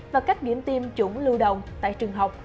và các điểm tiêm chủng lưu động tại trường học